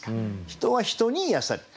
人は人に癒やされる。